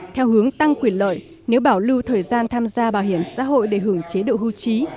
theo hướng tăng quyền lợi nếu bảo lưu thời gian tham gia bảo hiểm xã hội để hưởng chế độ hưu trí